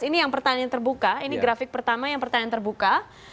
ini yang pertanyaan terbuka ini grafik pertama yang pertanyaan terbuka